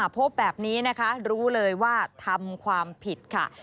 พบแบบนี้นะคะรู้เลยว่าทำความผิดค่ะ